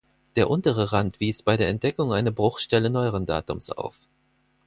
Der untere Rand wies bei der Entdeckung eine Bruchstelle neueren Datums auf.